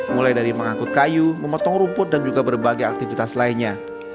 mulai dari mengangkut kayu memotong rumput dan juga berbagai aktivitas lainnya